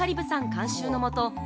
監修のもと